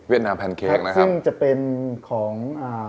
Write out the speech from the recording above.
เวียดนามแพนเค้กนะครับซึ่งจะเป็นของ